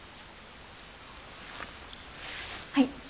はい。